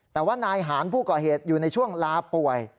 แต่ว่านายหารผู้ก่อเหตุอยู่ในช่วงลาป่วย